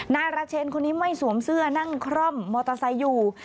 นายราเชนคนนี้ไม่สวมเสื้อนั่งคร่อมมอเตอร์ไซค์อยู่